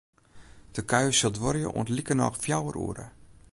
De kuier sil duorje oant likernôch fjouwer oere.